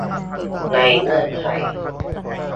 ในเงื่อนไข